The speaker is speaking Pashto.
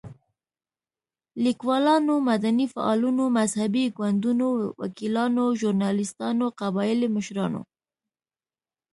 ليکوالانو، مدني فعالانو، مذهبي ګوندونو، وکيلانو، ژورناليستانو، قبايلي مشرانو